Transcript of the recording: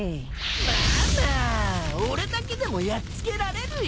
ママ俺だけでもやっつけられるよ。